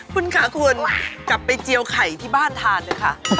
คุณค่ะคุณกลับไปเจียวไข่ที่บ้านทานเลยค่ะ